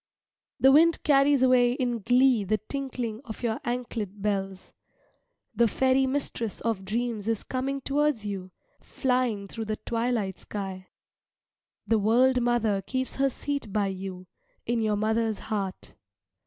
The wind carries away in glee the tinkling of your anklet bells. The fairy mistress of dreams is coming towards you, flying through the twilight sky. The world mother keeps her seat by you in your mother's heart.